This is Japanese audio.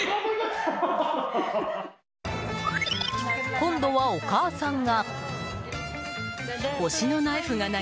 今度はお母さんが。